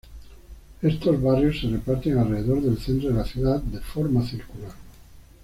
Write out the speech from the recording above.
Estos barrios se reparten alrededor del centro de la ciudad, de forma circular.